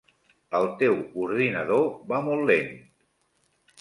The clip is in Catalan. El teu ordinador va molt lent.